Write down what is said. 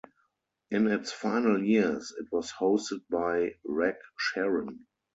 In its final years it was hosted by Reg Sherren.